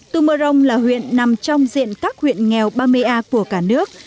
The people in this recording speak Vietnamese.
tù mơ rồng là huyện nằm trong diện các huyện nghèo ba mươi a của cả nước